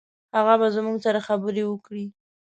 هغه به زموږ سره خبرې وکړي.